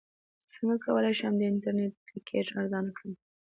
څنګه کولی شم د انټرنیټ پیکج ارزانه کړم